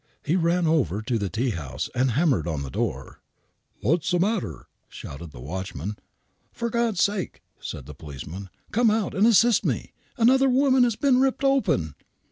He ran over to the tea house and hammered on the door. .'• What's the matter ?" shouted the watchman. " For God's sake," said the policeman, " come out and assist me ! Another woman has been ripped open."